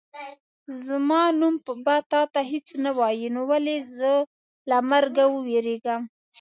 زما نوم به تا ته هېڅ نه وایي نو ولې زه له مرګه ووېرېږم.